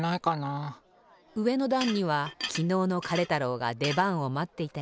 うえのだんにはきのうのカレ太郎がでばんをまっていたり。